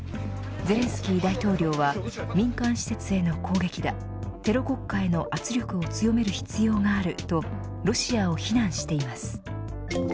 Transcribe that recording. ゼレンスキー大統領は民間施設への攻撃だテロ国家への圧力を強める必要があるとロシアを非難しています。